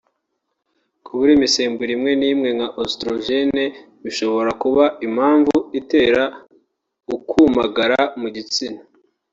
Kubura imisemburo imwe n’imwe nka Ositorojene (oestrogènes) bishobora kuba impamvu itera ukumagara mu gitsina